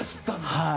はい。